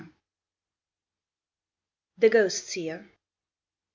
THE GHOST SEER.